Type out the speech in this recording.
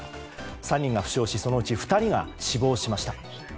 ３人が負傷しそのうち２人が死亡しました。